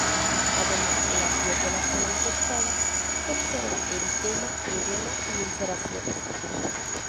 Además en la piel de la zona infestada se observa eritema, edema y ulceraciones.